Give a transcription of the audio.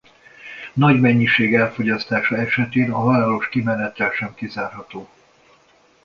Nagy mennyiség elfogyasztása esetén a halálos kimenetel sem kizárható.